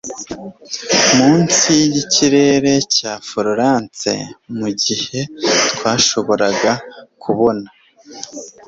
Munsi yikirere cya Florence mugihe twashoboraga kubona